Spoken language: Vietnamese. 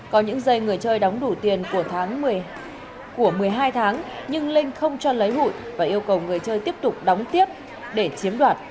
có những giây người chơi đóng đủ tiền của tháng của một mươi hai tháng nhưng linh không cho lấy hụi và yêu cầu người chơi tiếp tục đóng tiếp để chiếm đoạt